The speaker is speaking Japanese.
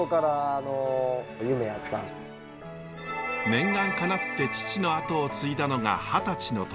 念願かなって父の後を継いだのが二十歳の時。